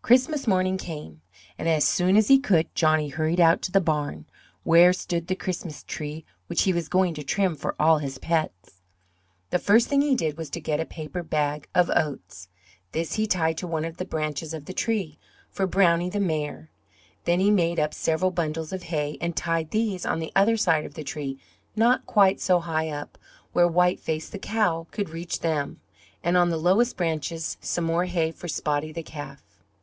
Christmas morning came, and, as soon as he could, Johnny hurried out to the barn, where stood the Christmas tree which he was going to trim for all his pets. The first thing he did was to get a paper bag of oats; this he tied to one of the branches of the tree, for Brownie the mare. Then he made up several bundles of hay and tied these on the other side of the tree, not quite so high up, where White Face, the cow, could reach them; and on the lowest branches some more hay for Spotty, the calf.